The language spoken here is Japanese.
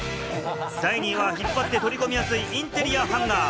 第２位は引っ張って取り込みやすいインテリアハンガー。